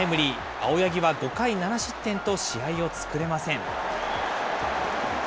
青柳は５回７失点と試合を作れません。